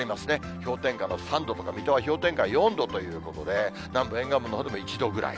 氷点下の３度とか、水戸は氷点下４度ということで、南部、沿岸部などでも１度ぐらい。